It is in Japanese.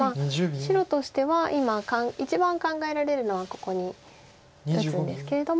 白としては今一番考えられるのはここに打つんですけれども。